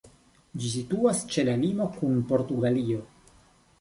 Ĝi situas ĉe la limo kun Portugalio.